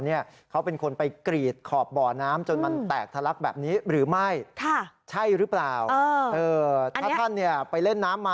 ท่านสามารถออกมาชี้จ่ายได้นะคะ